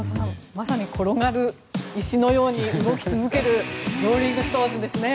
まさに転がる石のように動き続けるローリング・ストーンズですね。